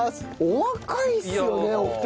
お若いっすよねお二人。